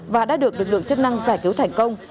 và đã được lực lượng chức năng giải cứu thành công